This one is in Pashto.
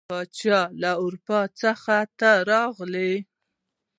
پاچا له اروپا څخه ته راغی.